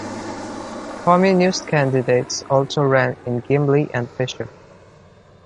Communist candidates also ran in Gimli and Fisher.